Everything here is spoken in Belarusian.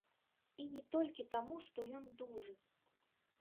І не толькі таму, што ён дужы.